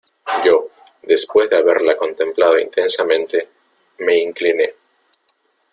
yo, después de haberla contemplado intensamente , me incliné.